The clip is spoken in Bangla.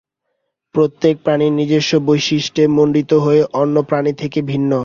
প্রত্যেক প্রাণী নিজস্ব বৈশিষ্ট্যে মণ্ডিত হয়ে অন্য প্রাণী থেকে ভিন্ন।